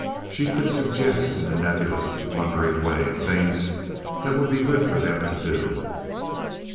She could suggest in a nebulous, blundering way things that would be good for them to do.